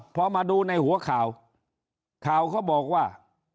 เพราะมาดูในหัวข่าวข่าวก็บอกว่า